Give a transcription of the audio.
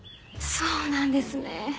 そうなんですね。